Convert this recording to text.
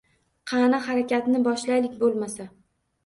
Qani harakatni boshlaylik boʻlmasa